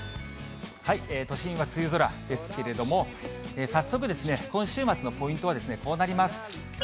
都心は梅雨空ですけれども、早速、今週末のポイントはこうなります。